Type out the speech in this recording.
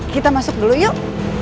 kita masuk dulu yuk